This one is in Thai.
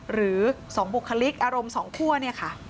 หรือสองบุคลิกอารมณ์สองคั่วเนี่ย